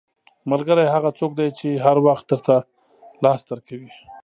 • ملګری هغه څوک دی چې هر وخت درته لاس درکوي.